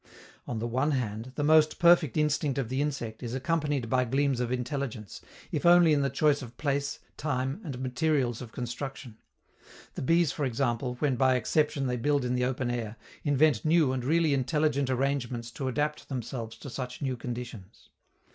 On the one hand, the most perfect instinct of the insect is accompanied by gleams of intelligence, if only in the choice of place, time and materials of construction: the bees, for example, when by exception they build in the open air, invent new and really intelligent arrangements to adapt themselves to such new conditions.